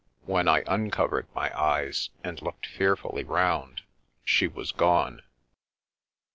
... When I uncovered my eyes and looked fearfully round she was gone.